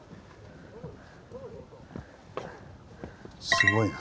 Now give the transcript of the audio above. すごいな。